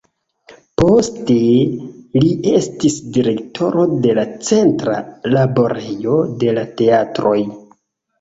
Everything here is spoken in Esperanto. Poste li estis direktoro de la Centra Laborejo de la Teatroj.